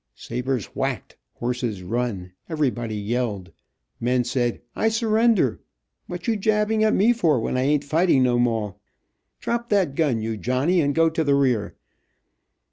Sabers whacked, horses run, everybody yelled. Men said "I surrender," "What you jabbing at me for when I ain't fighting no moah," "Drop that gun, you Johnnie, and go to the rear."